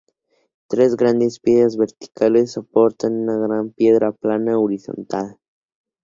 Tres grandes piedras verticales soportan una gran piedra plana horizontal.